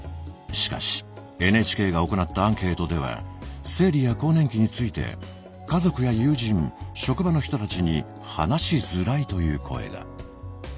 しかしＮＨＫが行ったアンケートでは生理や更年期について家族や友人職場の人たちに話しづらいという声が。